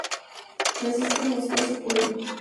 Francisco Moscoso Puello.